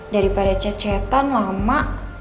daripada cecetan lama